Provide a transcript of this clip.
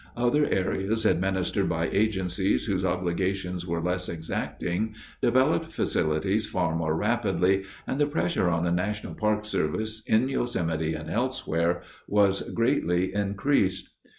Other areas, administered by agencies whose obligations were less exacting, developed facilities far more rapidly, and the pressure on the National Park Service, in Yosemite and elsewhere, was greatly increased.